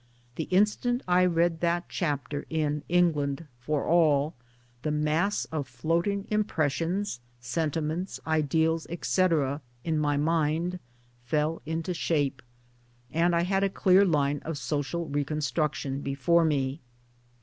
The instant I read that chapter in England for All the mass of floating impressions, sentiments, ideals, etc., in my mind fell into shape and, I had a clear line of social reconstruction before me.